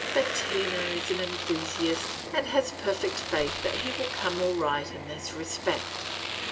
But Tina is an enthusiast, and has perfect faith that he will come all right in this respect.